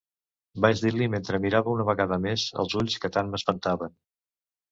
Vaig dir-li mentre mirava una vegada més els ulls que tant m’espantaven.